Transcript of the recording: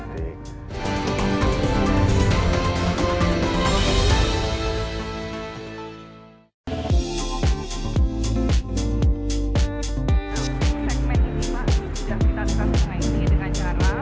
segmen ini pak sudah kita lakukan pengaisi dengan cara